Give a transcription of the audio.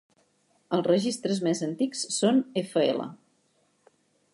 Els registres més antics son fl.